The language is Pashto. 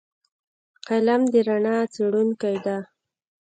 قلم د رڼا خپروونکی دی